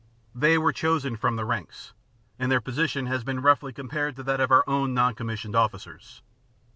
They were chosen from the ranks, and their position has been roughly compared with that of our own non commissioned officers.